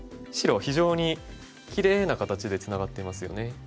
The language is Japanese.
白は非常にきれいな形でツナがっていますよね。